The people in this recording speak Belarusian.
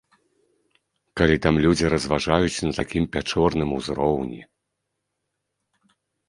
Калі там людзі разважаюць на такім пячорным узроўні.